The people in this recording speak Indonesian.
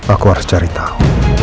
aku harus cari tahu